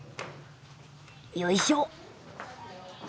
よいしょっ！